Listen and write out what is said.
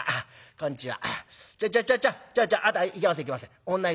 「こんちは」。